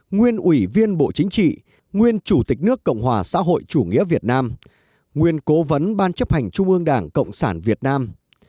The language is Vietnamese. nguyên ủy viên bộ chính trị nguyên chủ tịch nước cộng hòa xã hội chủ nghĩa việt nam nguyên cố vấn ban chấp hành trung ương đảng cộng sản việt nam